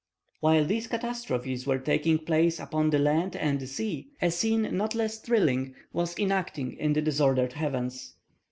While these catastrophes were taking place upon the land and the sea, a scene not less thrilling was enacting in the disordered heavens.